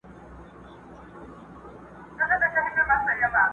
د درد پېټی دي را نیم که چي یې واخلم.